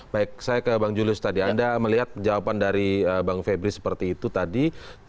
baik saya ke bang julius tadi anda melihat jawaban dari bang febri seperti itu tadi